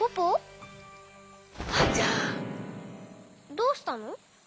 どうしたの？